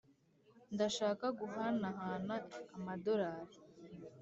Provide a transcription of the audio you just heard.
ndashaka guhanahana amadorari.